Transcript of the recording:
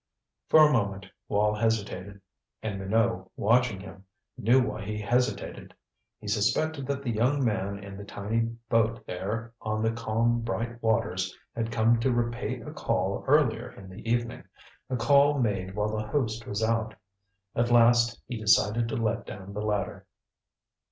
For a moment Wall hesitated. And Minot, watching him, knew why he hesitated. He suspected that the young man in the tiny boat there on the calm bright waters had come to repay a call earlier in the evening a call made while the host was out. At last he decided to let down the ladder.